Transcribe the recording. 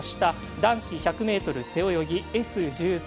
男子１００ｍ背泳ぎＳ１３